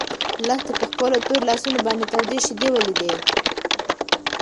لښتې په خپلو تورو لاسو باندې تودې شيدې ولیدې.